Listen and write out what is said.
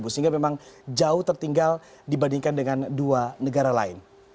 sehingga memang jauh tertinggal dibandingkan dengan dua negara lain